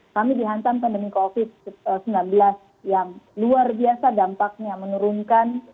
kami dihantam pandemi covid sembilan belas yang luar biasa dampaknya menurunkan